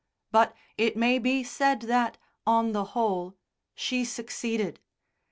But it may be said that, on the whole, she succeeded.